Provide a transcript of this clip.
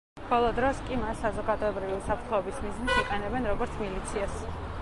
ბოლო დროს კი მას საზოგადოებრივი უსაფრთხოების მიზნით იყენებენ როგორც მილიციას.